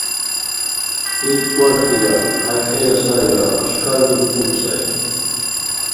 Ит, варгьира хъяйхъира сайра, ашкарли букӀун сай.